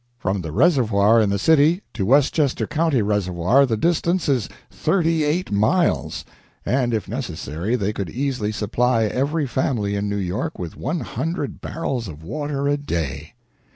From the reservoir in the city to Westchester County reservoir the distance is thirty eight miles, and, if necessary, they could easily supply every family in New York with one hundred barrels of water a day!